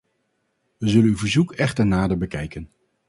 We zullen uw verzoek echter nader bekijken.